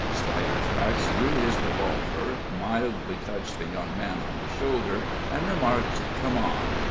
Spidertracks drew his revolver, mildly touched the young man on the shoulder, and remarked: "Come on."